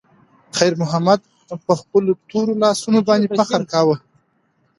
خیر محمد په خپلو تورو لاسونو باندې فخر کاوه.